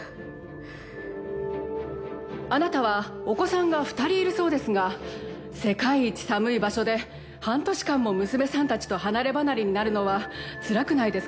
あなたはお子さんが２人いるそうですが世界一寒い場所で半年間も娘さんたちと離れ離れになるのはつらくないですか？